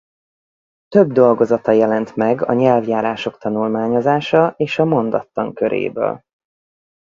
Több dolgozata jelent meg a nyelvjárások tanulmányozása és a mondattan köréből.